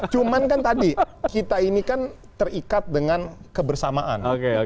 cuman kan tadi kita ini kan terikat dengan kebersamaan